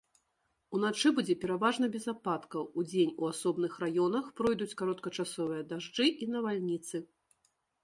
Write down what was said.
Уначы будзе пераважна без ападкаў, удзень у асобных раёнах пройдуць кароткачасовыя дажджы і навальніцы.